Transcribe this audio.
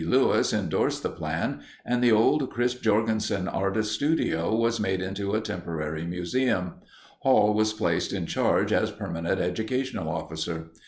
B. Lewis endorsed the plan, and the old Chris Jorgenson artists' studio was made into a temporary museum; Hall was placed in charge as permanent educational officer.